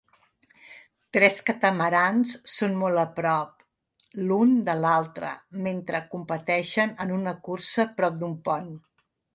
Tres catamarans són molt a prop l'un de l'altre mentre competeixen en una cursa prop d'un pont.